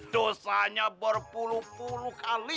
dosanya berpuluh puluh kali